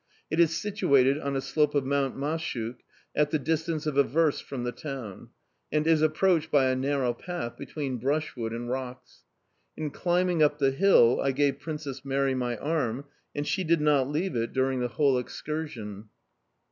It is situated on a slope of Mount Mashuk, at the distance of a verst from the town, and is approached by a narrow path between brushwood and rocks. In climbing up the hill, I gave Princess Mary my arm, and she did not leave it during the whole excursion.